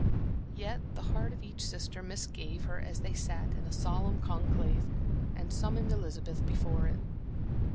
Yet the heart of each sister misgave her as they sat in a solemn conclave, and summoned Elizabeth before it.